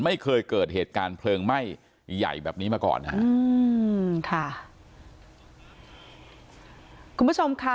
ไม่เคยเกิดเหตุการณ์เพลิงไหม้ใหญ่แบบนี้มาก่อนนะครับ